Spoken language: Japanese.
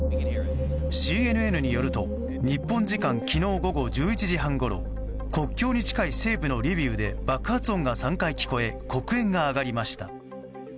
ＣＮＮによると日本時間昨日午後１１時半ごろ国境に近い西部のリビウで爆発音が３回聞こえ黒煙が上がりました。